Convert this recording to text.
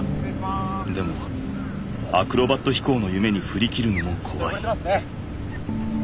でもアクロバット飛行の夢にふりきるのも怖い。